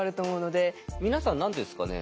皆さん何ですかね